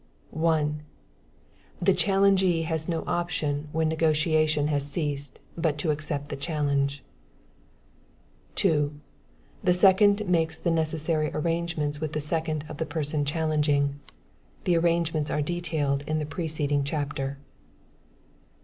1. The challengee has no option when negotiation has ceased, but to accept the challenge. 2. The second makes the necessary arrangements with the second of the person challenging. The arrangements are detailed in the preceding chapter.